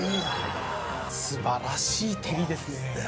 素晴らしい照りですね。